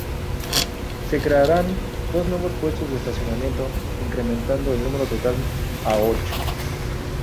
Se crearán dos nuevos puestos de estacionamiento, incrementando el número total a och.